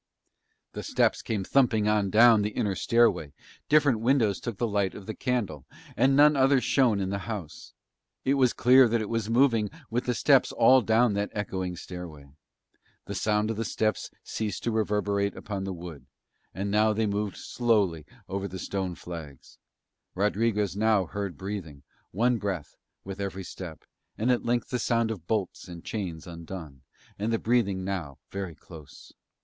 The steps came thumping on down the inner stairway, different windows took the light of the candle, and none other shone in the house; it was clear that it was moving with the steps all down that echoing stairway. The sound of the steps ceased to reverberate upon the wood, and now they slowly moved over stone flags; Rodriguez now heard breathing, one breath with every step, and at length the sound of bolts and chains undone and the breathing now very close.